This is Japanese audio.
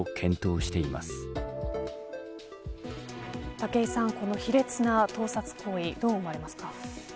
武井さん、この卑劣な盗撮行為どう思われますか。